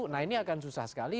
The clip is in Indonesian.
nah ini akan susah sekali